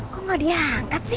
kau gak diangkat sih